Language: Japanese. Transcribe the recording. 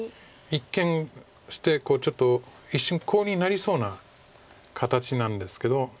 一見してちょっと一瞬コウになりそうな形なんですけど。